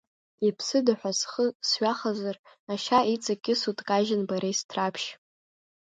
Иԥсыда ҳәа схы сҩахазар, ашьа иҵакьысо дкажьын Борис Ҭраԥшь.